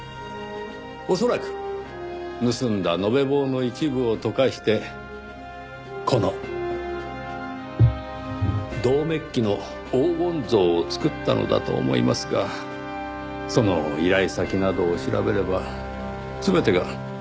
恐らく盗んだ延べ棒の一部を溶かしてこの銅メッキの黄金像をつくったのだと思いますがその依頼先などを調べれば全てが明らかになるでしょう。